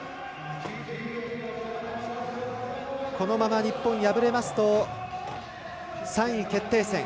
このまま日本、敗れますと３位決定戦。